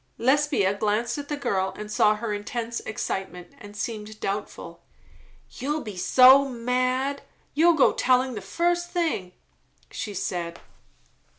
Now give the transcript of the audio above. Lesbia glanced at the girl and saw her intense excitement, and seemed doubtful. "You'll be so mad, you'll go tellin' the fust thing," she said.